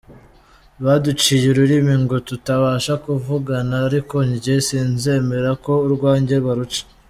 baduciye ururimi ngo tutabasha kuvugana ariko njye sinzemera ko urwanjye baruca.